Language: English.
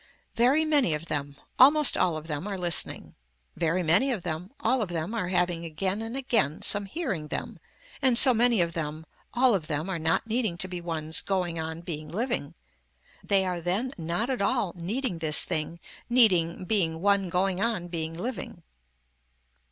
Very many of them, almost all of them are listening. Very many of them, all of them are having again and again some hearing them, and so many of them, all of them are not needing to be ones going on being living, they are then not at all needing this thing needing being one going on being living.